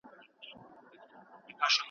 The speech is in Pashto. انګېزه او لوری له تاریخ څخه ترلاسه کيږي.